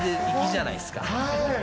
粋じゃないですか。